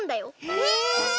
え